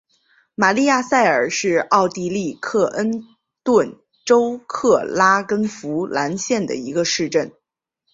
玛丽亚萨尔是奥地利克恩顿州克拉根福兰县的一个市镇。